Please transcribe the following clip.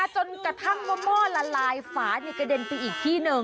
จนกระทั่งว่าหม้อละลายฝากระเด็นไปอีกที่หนึ่ง